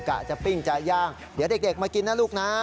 กะจะปิ้งจะย่างเดี๋ยวเด็กมากินนะลูกนะ